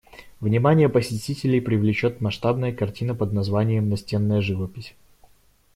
Внимание посетителей привлечет масштабная картина под названием «Настенная живопись».